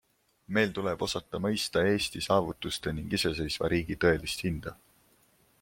Meil tuleb osata mõista Eesti saavutuste ning iseseisva riigi tõelist hinda.